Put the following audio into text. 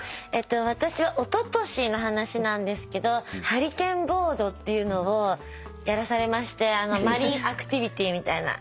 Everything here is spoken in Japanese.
私はおととしの話なんですけどハリケーンボートっていうのをやらされましてマリンアクティビティみたいな。